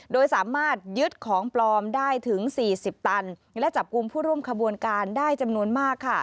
โดยสามารถยึดของปลอมได้ถึง๔๐ตันและจับกลุ่มผู้ร่วมขบวนการได้จำนวนมากค่ะ